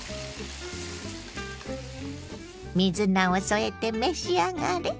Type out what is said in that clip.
水菜を添えて召し上がれ。